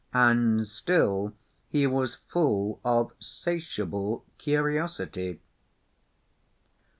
And still he was full of 'satiable curtiosity!